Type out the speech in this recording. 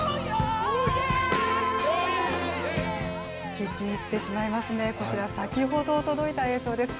聞き入ってしまいますね、こちら、先ほど届いた映像です。